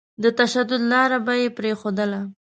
د تشدد لاره به يې پرېښودله.